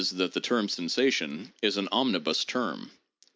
"that the term sensation is an omnibus term" (p.